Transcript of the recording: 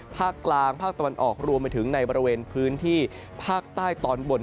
ภาคกลางภาคตะวันออกรวมไปถึงในบริเวณพื้นที่ภาคใต้ตอนบน